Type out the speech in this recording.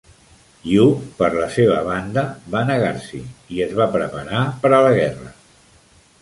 Yu, per la seva banda, va negar-s'hi i es va preparar per a la guerra.